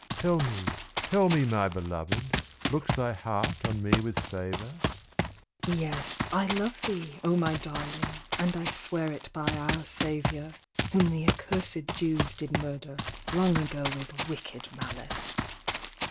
"Tell me, tell me, my belovèd, Looks thy heart on me with favor?" "Yes, I love thee, oh my darling, And I swear it by our Savior, Whom the accursèd Jews did murder Long ago with wicked malice."